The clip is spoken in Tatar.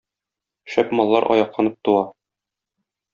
Шәп маллар аякланып туа.